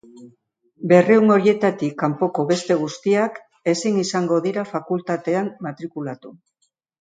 Berrehun horietatik kanpoko beste guztiak ezin izango dira fakultatean matrikulatu.